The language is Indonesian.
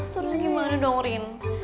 terus gimana dong rin